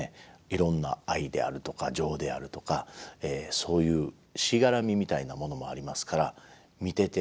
いろんな愛であるとか情であるとかそういうしがらみみたいなものもありますから見てて「あ分からないことはないな」。